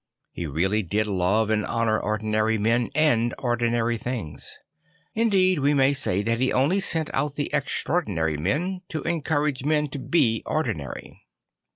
He really did love and honour ordinary men and ordinary things; indeed we may say that he only sent out the extraordinary men to encourage men to be ordinary.